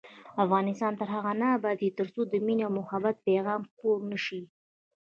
افغانستان تر هغو نه ابادیږي، ترڅو د مینې او محبت پیغام خپور نشي.